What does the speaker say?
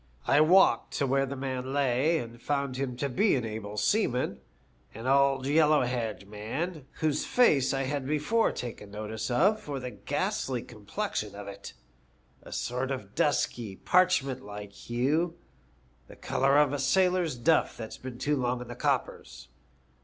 I walked to where the man lay, and found him to be an able sea man ; an old yellow haired man, whose face I had before taken notice of for the ghastly complexion of it ; a sort of dusky, parchment like hue, the colour of sailor's duff that's been too long in the coppers.